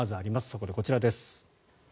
そこでこちらです。